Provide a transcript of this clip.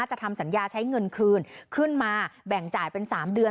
ทำสัญญาใช้เงินคืนขึ้นมาแบ่งจ่ายเป็น๓เดือน